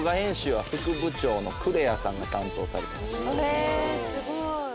・へえすごい。